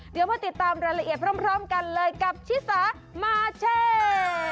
เดี๋ยวมาติดตามรายละเอียดพร้อมกันเลยกับชิสามาเช่